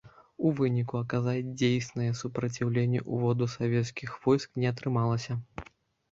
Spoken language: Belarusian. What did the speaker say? У выніку аказаць дзейснае супраціўленне ўводу савецкіх войск не атрымалася.